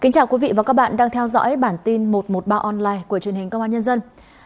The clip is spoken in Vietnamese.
chào mừng quý vị đến với bản tin một trăm một mươi ba online của truyền hình công an nhân dân